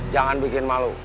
jangan bikin malu